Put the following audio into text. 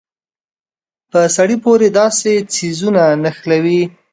په سړي پورې داسې څيزونه نښلوي.